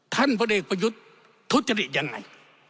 ท่านพระเอกประยุทธ์ทุศจริงยังไง